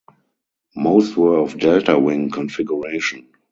Most were of delta wing configuration.